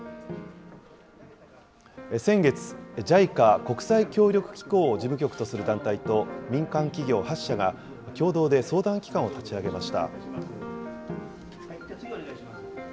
先月、ＪＩＣＡ・国際協力機構を事務局とする団体と民間企業８社が、共同で相談機関を立ち上げました。